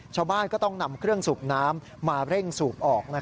ชาวบ้านก็ต้องนำเครื่องสูบน้ำมาเร่งสูบออก